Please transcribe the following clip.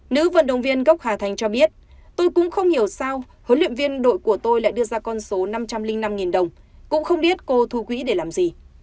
nữ vận động viên gốc hà thành cho biết tôi cũng không hiểu sao huấn luyện viên đội của tôi lại đưa ra con số năm trăm linh năm đồng cũng không biết cô thu quỹ để làm gì